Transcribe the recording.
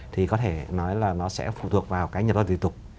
thì có thể nói là nó sẽ phụ thuộc vào cái nhập đoàn tùy tục